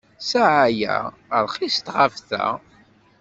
Ssaɛa-a rxiset ɣef ta.